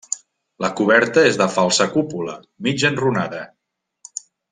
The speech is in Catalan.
La coberta és de falsa cúpula, mig enrunada.